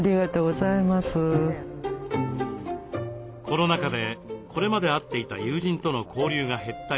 コロナ禍でこれまで会っていた友人との交流が減った